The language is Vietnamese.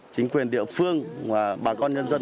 chính quyền địa phương và bà con nhân dân